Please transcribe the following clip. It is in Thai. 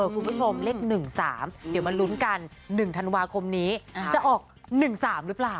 คุณผู้ชมเลข๑๓เดี๋ยวมาลุ้นกัน๑ธันวาคมนี้จะออก๑๓หรือเปล่า